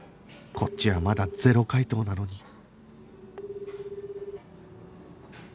こっちはまだゼロ回答なのに